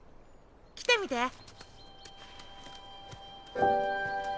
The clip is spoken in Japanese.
来てみて。